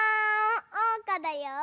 おうかだよ！